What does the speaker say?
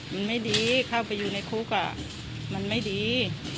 มันไม่ดีเข้าไปอยู่ในคุกมันไม่ดี